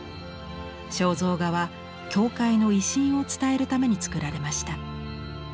肖像画は教会の威信を伝えるために作られました。